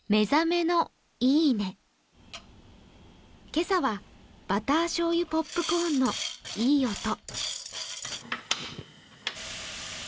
今朝はバターしょうゆポップコーンのいい音。